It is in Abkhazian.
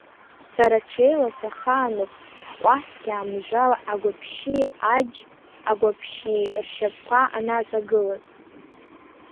Сара ҽеила сахаануп, ҳкәасқьа амжәа агәаԥшьи, аџь агәаԥшьи ршьапқәа анаҵагылаз.